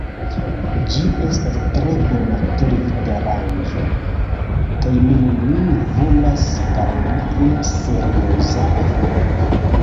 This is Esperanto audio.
Ĝi estas tre bona televidaranĝo kaj nun mi volas paroli pri serioza afero